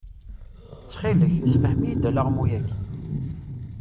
Ttxil-k, sefhem-iyi-d alaɣmu-agi?